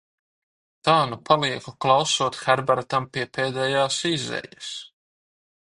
Tā nu palieku klausot Herbertam pie pēdējās izejas.